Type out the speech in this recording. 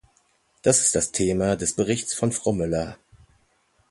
Das ist das Thema des Berichts von Frau Myller.